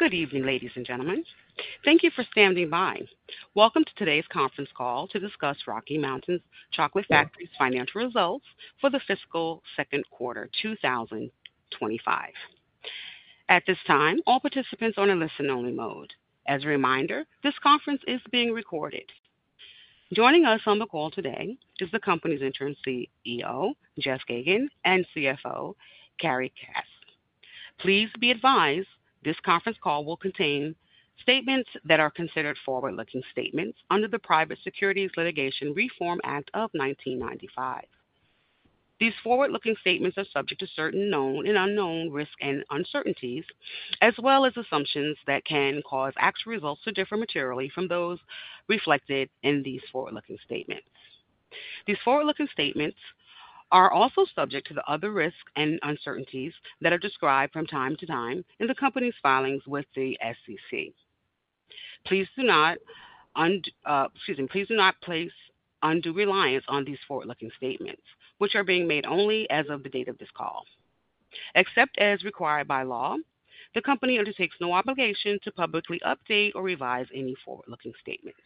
Good evening, ladies and gentlemen. Thank you for standing by. Welcome to today's Conference Call to discuss Rocky Mountain Chocolate Factory's financial results for the fiscal second quarter, two thousand and twenty-five. At this time, all participants are in listen-only mode. As a reminder, this conference is being recorded. Joining us on the call today is the company's Interim CEO, Jeff Geygan, and CFO, Carrie Cass. Please be advised, this conference call will contain statements that are considered forward-looking statements under the Private Securities Litigation Reform Act of 1995. These forward-looking statements are subject to certain known and unknown risks and uncertainties, as well as assumptions that can cause actual results to differ materially from those reflected in these forward-looking statements. These forward-looking statements are also subject to the other risks and uncertainties that are described from time to time in the company's filings with the SEC. Please do not place undue reliance on these forward-looking statements, which are being made only as of the date of this call. Except as required by law, the Company undertakes no obligation to publicly update or revise any forward-looking statements.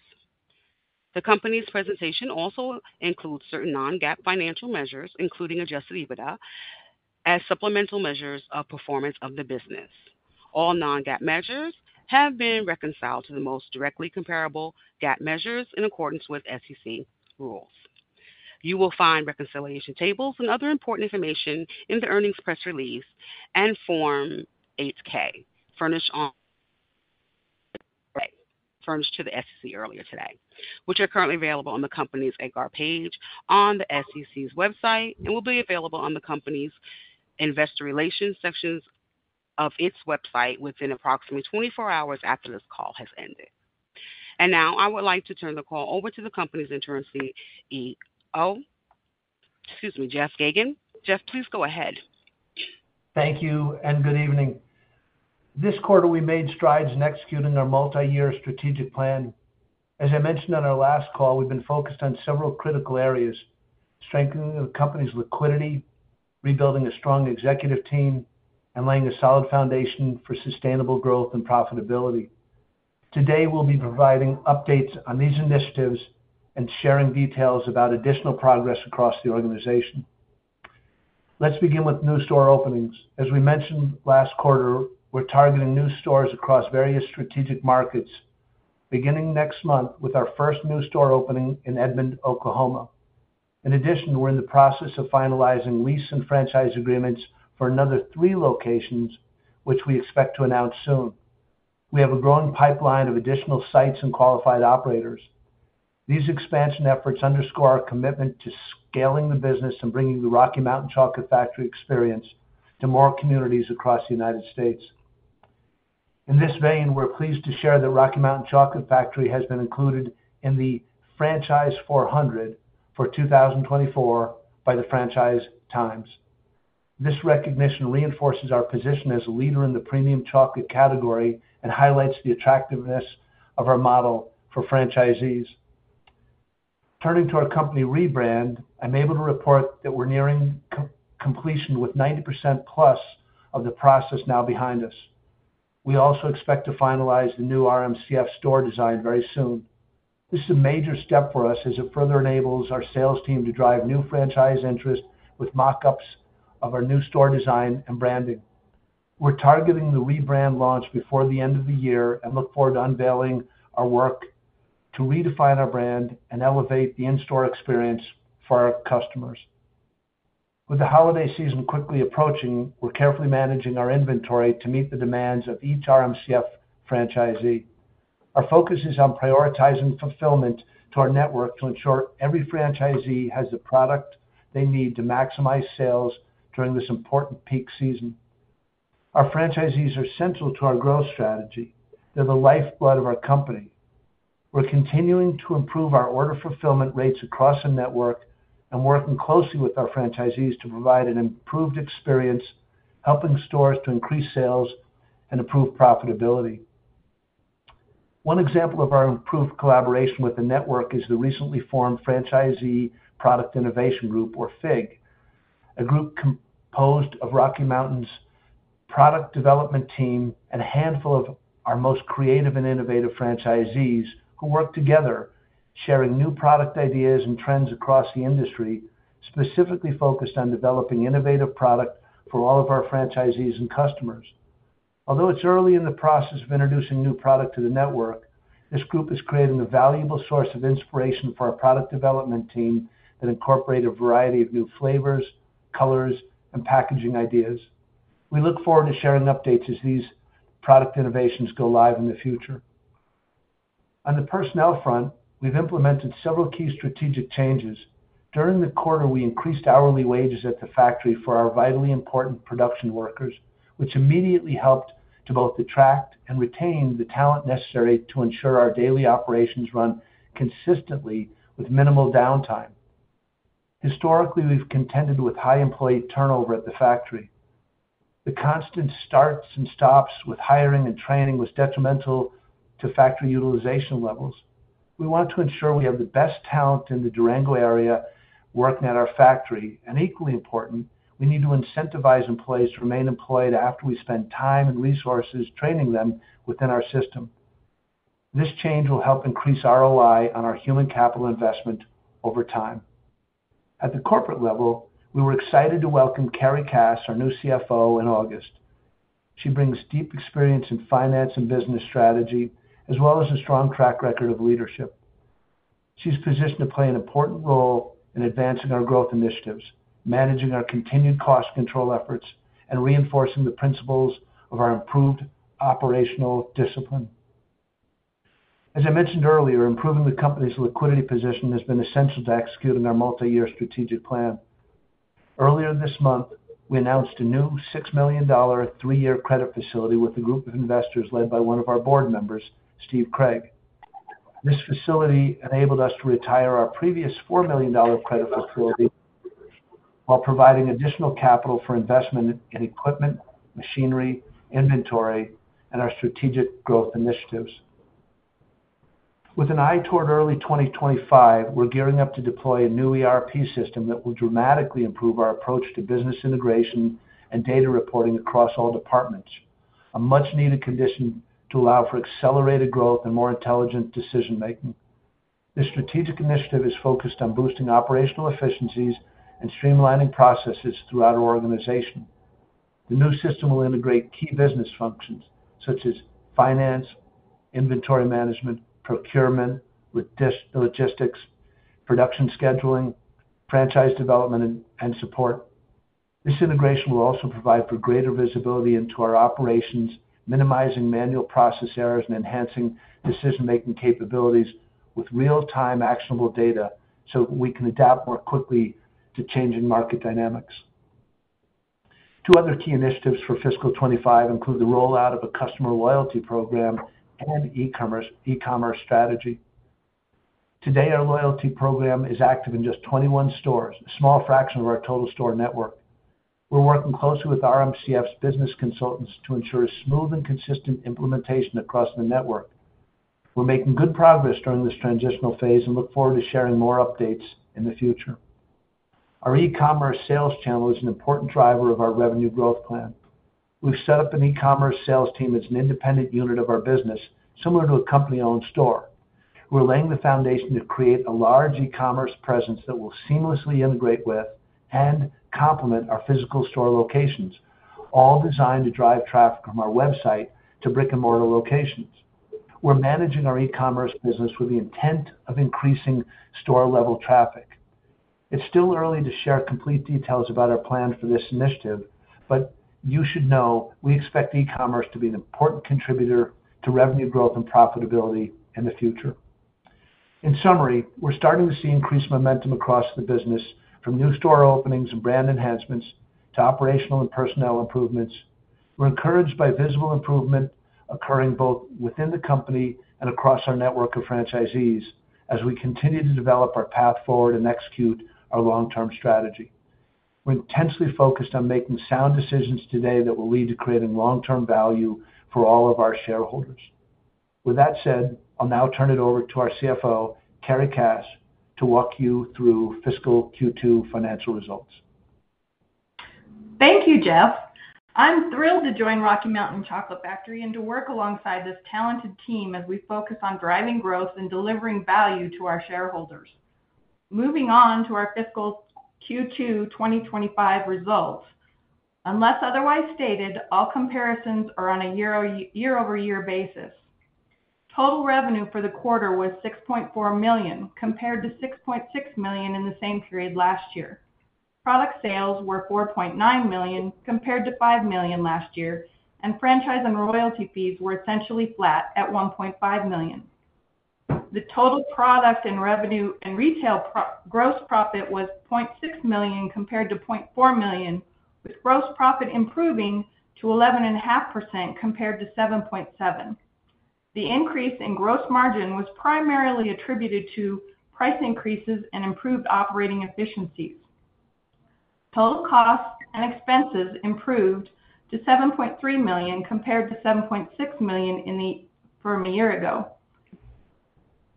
The company's presentation also includes certain non-GAAP financial measures, including Adjusted EBITDA, as supplemental measures of performance of the business. All non-GAAP measures have been reconciled to the most directly comparable GAAP measures in accordance with SEC rules. You will find reconciliation tables and other important information in the earnings press release and Form 8-K, furnished to the SEC earlier today, which are currently available on the company's EDGAR page on the SEC's website, and will be available on the company's investor relations sections of its website within approximately twenty-four hours after this call has ended. Now, I would like to turn the call over to the company's Interim CEO, excuse me, Jeff Geygan. Jeff, please go ahead. Thank you and good evening. This quarter, we made strides in executing our multi-year strategic plan. As I mentioned on our last call, we've been focused on several critical areas: strengthening the company's liquidity, rebuilding a strong executive team, and laying a solid foundation for sustainable growth and profitability. Today, we'll be providing updates on these initiatives and sharing details about additional progress across the organization. Let's begin with new store openings. As we mentioned last quarter, we're targeting new stores across various strategic markets, beginning next month with our first new store opening in Edmond, Oklahoma. In addition, we're in the process of finalizing lease and franchise agreements for another three locations, which we expect to announce soon. We have a growing pipeline of additional sites and qualified operators. These expansion efforts underscore our commitment to scaling the business and bringing the Rocky Mountain Chocolate Factory experience to more communities across the United States. In this vein, we're pleased to share that Rocky Mountain Chocolate Factory has been included in the Franchise 400 for 2024 by the Franchise Times. This recognition reinforces our position as a leader in the premium chocolate category and highlights the attractiveness of our model for franchisees. Turning to our company rebrand, I'm able to report that we're nearing completion with 90% plus of the process now behind us. We also expect to finalize the new RMCF store design very soon. This is a major step for us as it further enables our sales team to drive new franchise interest with mock-ups of our new store design and branding. We're targeting the rebrand launch before the end of the year and look forward to unveiling our work to redefine our brand and elevate the in-store experience for our customers. With the holiday season quickly approaching, we're carefully managing our inventory to meet the demands of each RMCF franchisee. Our focus is on prioritizing fulfillment to our network to ensure every franchisee has the product they need to maximize sales during this important peak season. Our franchisees are central to our growth strategy. They're the lifeblood of our company. We're continuing to improve our order fulfillment rates across the network and working closely with our franchisees to provide an improved experience, helping stores to increase sales and improve profitability. One example of our improved collaboration with the network is the recently formed Franchisee Product Innovation Group, or FIG, a group composed of Rocky Mountain's product development team and a handful of our most creative and innovative franchisees who work together, sharing new product ideas and trends across the industry, specifically focused on developing innovative product for all of our franchisees and customers. Although it's early in the process of introducing new product to the network, this group is creating a valuable source of inspiration for our product development team that incorporate a variety of new flavors, colors, and packaging ideas. We look forward to sharing updates as these product innovations go live in the future. On the personnel front, we've implemented several key strategic changes. During the quarter, we increased hourly wages at the factory for our vitally important production workers, which immediately helped to both attract and retain the talent necessary to ensure our daily operations run consistently with minimal downtime. Historically, we've contended with high employee turnover at the factory. The constant starts and stops with hiring and training was detrimental to factory utilization levels.... We want to ensure we have the best talent in the Durango area working at our factory, and equally important, we need to incentivize employees to remain employed after we spend time and resources training them within our system. This change will help increase ROI on our human capital investment over time. At the corporate level, we were excited to welcome Carrie Cass, our new CFO, in August. She brings deep experience in finance and business strategy, as well as a strong track record of leadership. She's positioned to play an important role in advancing our growth initiatives, managing our continued cost control efforts, and reinforcing the principles of our improved operational discipline. As I mentioned earlier, improving the company's liquidity position has been essential to executing our multi-year strategic plan. Earlier this month, we announced a new $6 million three-year credit facility with a group of investors led by one of our board members, Steve Craig. This facility enabled us to retire our previous $4 million credit facility, while providing additional capital for investment in equipment, machinery, inventory, and our strategic growth initiatives. With an eye toward early 2025, we're gearing up to deploy a new ERP system that will dramatically improve our approach to business integration and data reporting across all departments, a much-needed condition to allow for accelerated growth and more intelligent decision-making. This strategic initiative is focused on boosting operational efficiencies and streamlining processes throughout our organization. The new system will integrate key business functions such as finance, inventory management, procurement, logistics, production scheduling, franchise development, and support. This integration will also provide for greater visibility into our operations, minimizing manual process errors, and enhancing decision-making capabilities with real-time actionable data, so we can adapt more quickly to changing market dynamics. Two other key initiatives for fiscal 2025 include the rollout of a customer loyalty program and e-commerce strategy. Today, our loyalty program is active in just 21 stores, a small fraction of our total store network. We're working closely with RMCF's business consultants to ensure a smooth and consistent implementation across the network. We're making good progress during this transitional phase and look forward to sharing more updates in the future. Our e-commerce sales channel is an important driver of our revenue growth plan. We've set up an e-commerce sales team as an independent unit of our business, similar to a company-owned store. We're laying the foundation to create a large e-commerce presence that will seamlessly integrate with and complement our physical store locations, all designed to drive traffic from our website to brick-and-mortar locations. We're managing our e-commerce business with the intent of increasing store-level traffic. It's still early to share complete details about our plans for this initiative, but you should know we expect e-commerce to be an important contributor to revenue growth and profitability in the future. In summary, we're starting to see increased momentum across the business, from new store openings and brand enhancements to operational and personnel improvements. We're encouraged by visible improvement occurring both within the company and across our network of franchisees, as we continue to develop our path forward and execute our long-term strategy. We're intensely focused on making sound decisions today that will lead to creating long-term value for all of our shareholders. With that said, I'll now turn it over to our CFO, Carrie Cass, to walk you through fiscal Q2 financial results. Thank you, Jeff. I'm thrilled to join Rocky Mountain Chocolate Factory and to work alongside this talented team as we focus on driving growth and delivering value to our shareholders. Moving on to our fiscal Q2 2025 results. Unless otherwise stated, all comparisons are on a year-over-year basis. Total revenue for the quarter was $6.4 million, compared to $6.6 million in the same period last year. Product sales were $4.9 million, compared to $5 million last year, and franchise and royalty fees were essentially flat at $1.5 million. The total product gross profit and retail product gross profit was $0.6 million compared to $0.4 million, with gross profit improving to 11.5% compared to 7.7%. The increase in gross margin was primarily attributed to price increases and improved operating efficiencies. Total costs and expenses improved to $7.3 million, compared to $7.6 million from a year ago.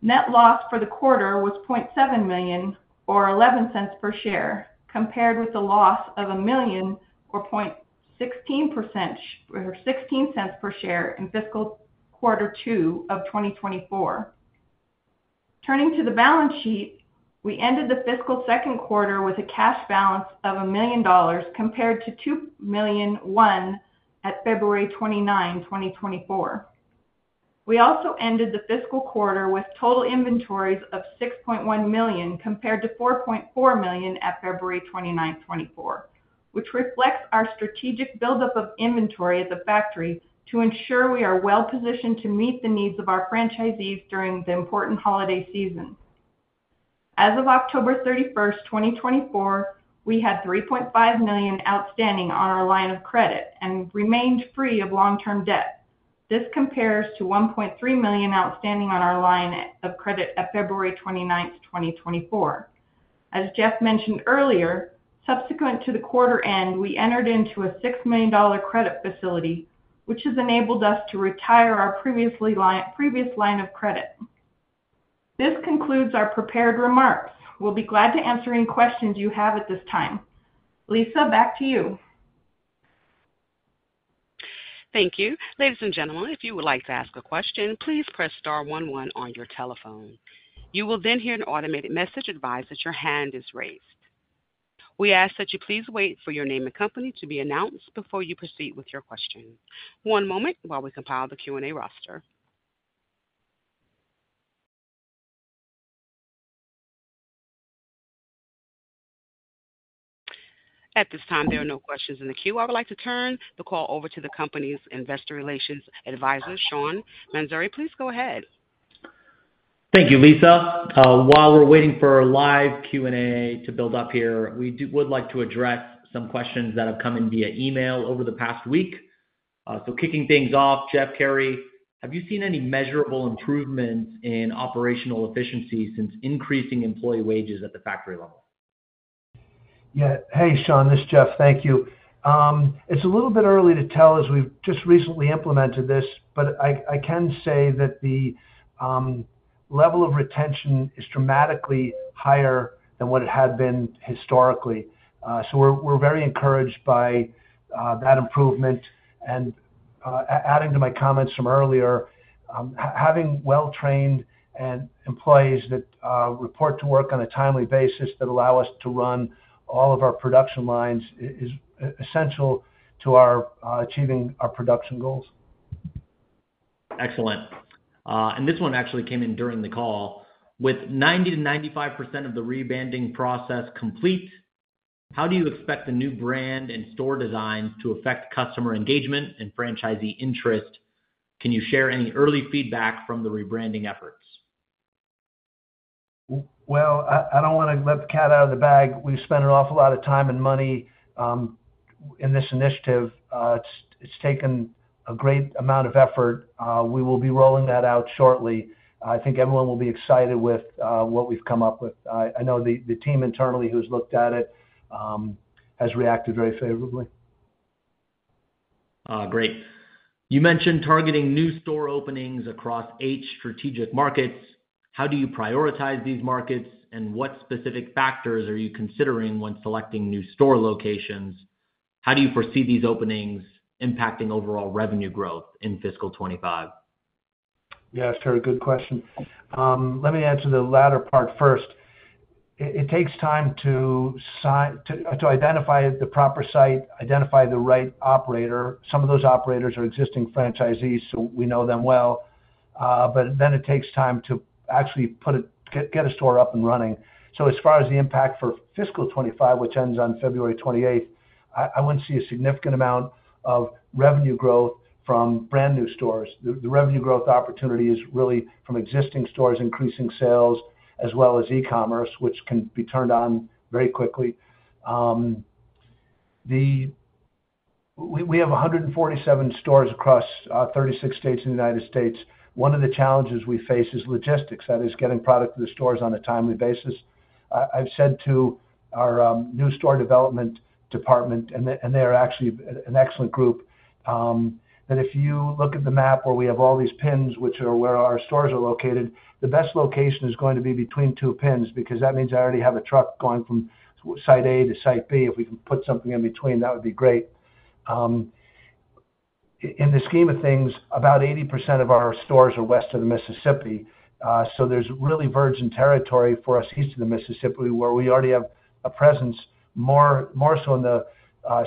Net loss for the quarter was $0.7 million or $0.11 per share, compared with a loss of $1 million or $0.16 per share in fiscal quarter two of 2024. Turning to the balance sheet, we ended the fiscal second quarter with a cash balance of $1 million, compared to $2.1 million at February 29, 2024. We also ended the fiscal quarter with total inventories of $6.1 million, compared to $4.4 million at February 29, 2024, which reflects our strategic buildup of inventory at the factory to ensure we are well-positioned to meet the needs of our franchisees during the important holiday season. As of October 31, 2024, we had $3.5 million outstanding on our line of credit and remained free of long-term debt. This compares to $1.3 million outstanding on our line of credit at February 29, 2024. As Jeff mentioned earlier, subsequent to the quarter end, we entered into a $6 million credit facility, which has enabled us to retire our previous line of credit. This concludes our prepared remarks. We'll be glad to answer any questions you have at this time. Lisa, back to you. Thank you. Ladies and gentlemen, if you would like to ask a question, please press star one one on your telephone. You will then hear an automated message advise that your hand is raised. We ask that you please wait for your name and company to be announced before you proceed with your question. One moment while we compile the Q&A roster. At this time, there are no questions in the queue. I would like to turn the call over to the company's investor relations advisor, Sean Mansouri. Please go ahead. Thank you, Lisa. While we're waiting for live Q&A to build up here, we would like to address some questions that have come in via email over the past week. So kicking things off, Jeff, Carrie, have you seen any measurable improvements in operational efficiency since increasing employee wages at the factory level? Yeah. Hey, Sean, this is Jeff. Thank you. It's a little bit early to tell as we've just recently implemented this, but I can say that the level of retention is dramatically higher than what it had been historically. So we're very encouraged by that improvement. Adding to my comments from earlier, having well-trained employees that report to work on a timely basis that allow us to run all of our production lines is essential to our achieving our production goals. Excellent. And this one actually came in during the call. With 90%-95% of the rebranding process complete, how do you expect the new brand and store designs to affect customer engagement and franchisee interest? Can you share any early feedback from the rebranding efforts? I don't wanna let the cat out of the bag. We've spent an awful lot of time and money in this initiative. It's taken a great amount of effort. We will be rolling that out shortly. I think everyone will be excited with what we've come up with. I know the team internally who's looked at it has reacted very favorably. Great. You mentioned targeting new store openings across eight strategic markets. How do you prioritize these markets, and what specific factors are you considering when selecting new store locations? How do you foresee these openings impacting overall revenue growth in fiscal 2025? Yeah, it's a very good question. Let me answer the latter part first. It takes time to identify the proper site, identify the right operator. Some of those operators are existing franchisees, so we know them well. But then it takes time to actually get a store up and running. So as far as the impact for fiscal 2025, which ends on February 28, I wouldn't see a significant amount of revenue growth from brand new stores. The revenue growth opportunity is really from existing stores, increasing sales, as well as e-commerce, which can be turned on very quickly. We have 147 stores across 36 states in the United States. One of the challenges we face is logistics, that is, getting product to the stores on a timely basis. I've said to our new store development department, and they are actually an excellent group, that if you look at the map where we have all these pins, which are where our stores are located, the best location is going to be between two pins because that means I already have a truck going from site A to site B. If we can put something in between, that would be great. In the scheme of things, about 80% of our stores are west of the Mississippi, so there's really virgin territory for us east of the Mississippi, where we already have a presence, more so in the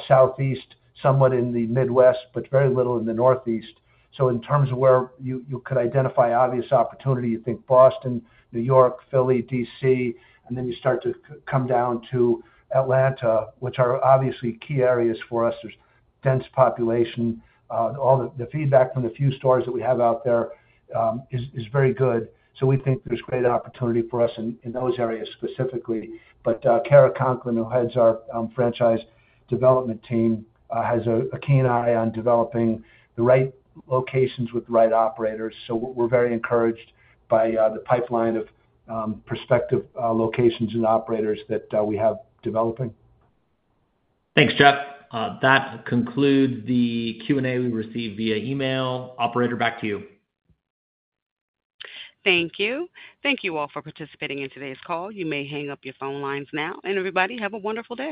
Southeast, somewhat in the Midwest, but very little in the Northeast. So in terms of where you could identify obvious opportunity, you think Boston, New York, Philly, DC, and then you start to come down to Atlanta, which are obviously key areas for us. There's dense population. All the feedback from the few stores that we have out there is very good. So we think there's great opportunity for us in those areas specifically. But Kara Conklin, who heads our franchise development team, has a keen eye on developing the right locations with the right operators. So we're very encouraged by the pipeline of prospective locations and operators that we have developing. Thanks, Jeff. That concludes the Q&A we received via email. Operator, back to you. Thank you. Thank you all for participating in today's call. You may hang up your phone lines now, and everybody, have a wonderful day.